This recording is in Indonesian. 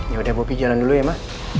ya udah bobby jalan dulu ya ma